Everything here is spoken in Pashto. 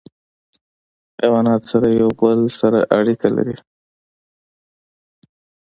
حیوانات سره یو بل سره اړیکه لري.